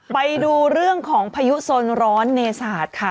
ไปดูเรื่องของพยุสลร้อนเนษาสค่ะ